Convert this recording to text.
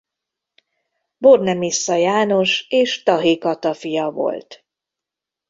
Bornemissza János és Tahy Kata fia volt.